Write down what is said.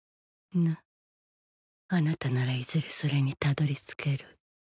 ヌあなたならいずれそれにたどり着ける